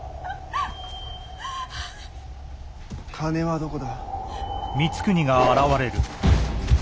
金はどこだ？